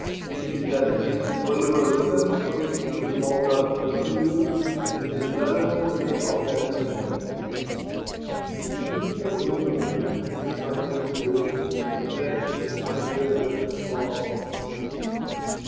It is that which Bulwer Lytton puts into the mouth of Richelieu, in his well known play of that name: " Beneath the rule of men entirely great THE PEN is MIGHTIER THAN THE SWORD."